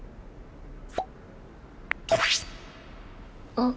あっ